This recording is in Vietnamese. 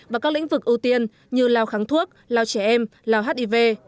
và các lĩnh vực ưu tiên như lao kháng thuốc lao trẻ em lao hiv